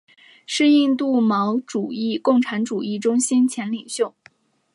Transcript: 是印度毛主义共产主义中心前领袖。